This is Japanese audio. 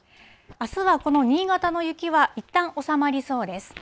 あすはこの新潟の雪はいったん収まりそうです。